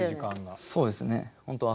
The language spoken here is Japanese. そうですね。